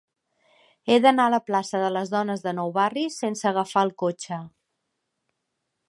He d'anar a la plaça de Les Dones de Nou Barris sense agafar el cotxe.